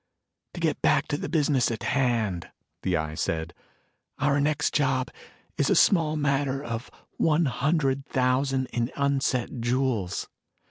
"To get back to the business at hand," the Eye said, "our next job is a small matter of one hundred thousand in unset jewels.